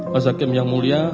masakim yang mulia